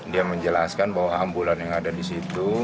dia menjelaskan bahwa ambulan yang ada di situ